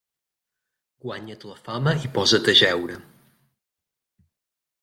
Guanya't la fama i posa't a jeure.